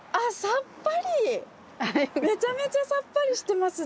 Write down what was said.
めちゃめちゃさっぱりしてますね。